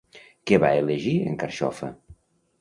Què va elegir en Carxofa?